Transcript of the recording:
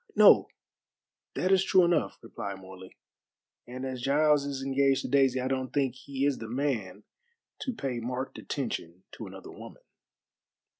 "No, that is true enough," replied Morley, "and as Giles is engaged to Daisy I don't think he is the man to pay marked attention to another woman."